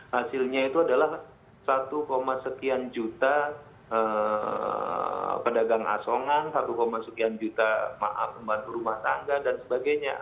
hasilnya itu adalah satu sekian juta pedagang asongan satu sekian juta pembantu rumah tangga dan sebagainya